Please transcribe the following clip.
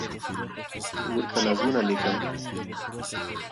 ورته نظمونه ليكم,